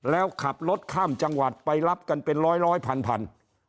แล้วขับรถข้ามจังหวัดไปรับกันเป็นร้อยร้อยพันพัน